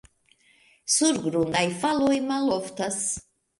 Surgrundaj faloj maloftas.